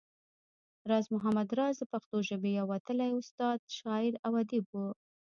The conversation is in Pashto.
راز محمد راز د پښتو ژبې يو وتلی استاد، شاعر او اديب وو